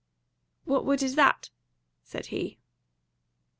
"What wood is that?" said he.